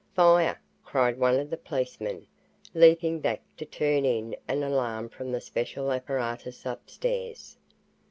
"Fire!" cried one of the policemen, leaping back to turn in an alarm from the special apparatus upstairs.